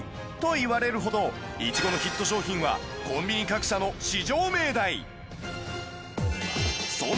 いわれるほどいちごのヒット商品はコンビニ各社の至上命題